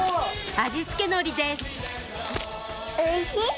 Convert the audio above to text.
味付け海苔です